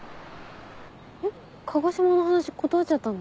えっ鹿児島の話断っちゃったの？